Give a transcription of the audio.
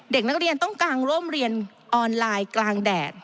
เด็กนักเรียนต้องกางร่มเรียนออนไลน์กลางแดด